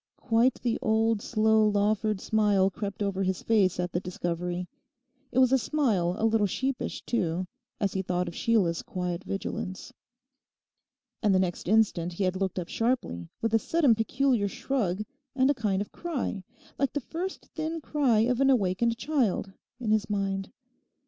Quite the old slow Lawford smile crept over his face at the discovery. It was a smile a little sheepish too, as he thought of Sheila's quiet vigilance. And the next instant he had looked up sharply, with a sudden peculiar shrug, and a kind of cry, like the first thin cry of an awakened child, in his mind.